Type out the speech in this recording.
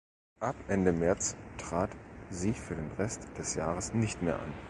Ab Ende März trat sie für den Rest des Jahres nicht mehr an.